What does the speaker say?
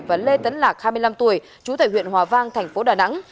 và lê tấn lạc hai mươi năm tuổi trú tại huyện hòa vang tp đà nẵng